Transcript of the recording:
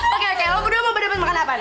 oke oke lo berdua mau berdapat makan apa nih